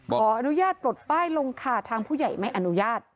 ขออนุญาตปลดป้ายลงค่ะทางผู้ใหญ่ไม่อนุญาต